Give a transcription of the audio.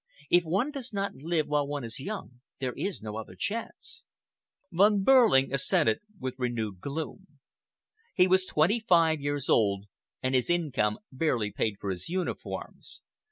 If one does not live while one is young, there is no other chance." Von Behrling assented with renewed gloom. He was twenty five years old, and his income barely paid for his uniforms.